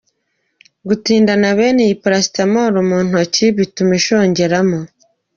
Gutindana bene iyi paracetamol mu ntoki bituma ishongeramo.